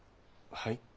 はい？